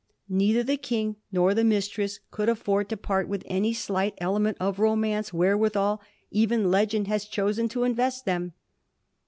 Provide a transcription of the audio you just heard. Neither the King nor the mistress could afford to part with any slight element of romance wherewithal even legend has chosen to invest them.